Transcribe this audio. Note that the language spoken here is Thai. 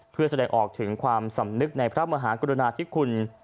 เพื่อแสดงออกถึงความสำนึกในพระมหากรุณาธิคุณ